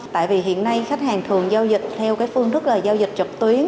tại vì hiện nay khách hàng thường giao dịch theo cái phương thức là giao dịch trực tuyến